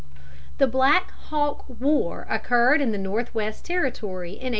The Black Hawk War occurred in the Northwest Territory in 1832.